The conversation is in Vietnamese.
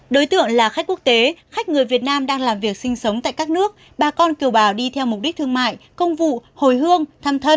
đối tượng là khách quốc tế khách người việt nam đang làm việc sinh sống tại các nước bà con kiều bào đi theo mục đích thương mại công vụ hồi hương thăm thân